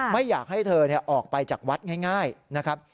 ไม่อยากให้เธอออกไปจากวัดง่ายนะครับ